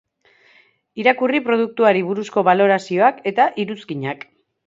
Irakurri produktuari buruzko balorazioak eta iruzkinak.